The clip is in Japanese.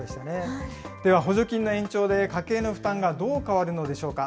では、補助金の延長で家計の負担がどう変わるのでしょうか。